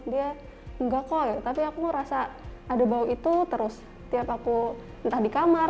dia enggak kok ya tapi aku ngerasa ada bau itu terus tiap aku entah di kamar